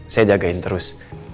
saya jagain terus